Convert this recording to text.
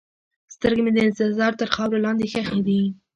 سترګې مې د انتظار تر خاورو لاندې ښخې دي.